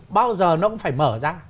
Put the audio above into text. bao giờ nó cũng phải mở ra